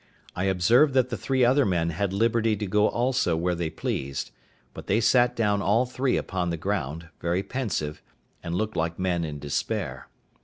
I observed that the three other men had liberty to go also where they pleased; but they sat down all three upon the ground, very pensive, and looked like men in despair.